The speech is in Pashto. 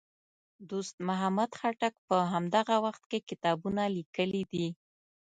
دوست محمد خټک په همدغه وخت کې کتابونه لیکي دي.